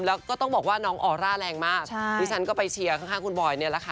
แล้วก็ต้องบอกว่าน้องออร่าแรงมากดิฉันก็ไปเชียร์ข้างคุณบอยเนี่ยแหละค่ะ